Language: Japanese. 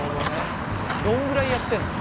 どんぐらいやってんの？